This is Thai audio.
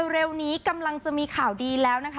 เร็วนี้กำลังจะมีข่าวดีแล้วนะคะ